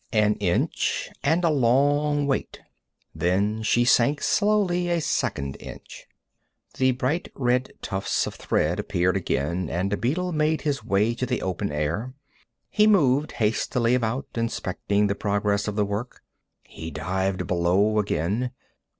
An inch, and a long wait. Then she sank slowly a second inch. The bright red tufts of thread appeared again, and a beetle made his way to the open air. He moved hastily about, inspecting the progress of the work. He dived below again.